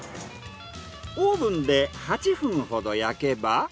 オーブンで８分ほど焼けば。